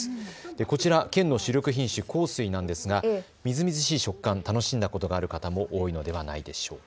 こちら県の主力品種、幸水なんですがみずみずしい食感楽しんだことがある方も多いのではないでしょうか。